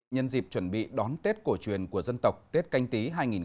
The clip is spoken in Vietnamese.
nhân dịp chuẩn bị đón tết cổ truyền của dân tộc tết canh tí hai nghìn hai mươi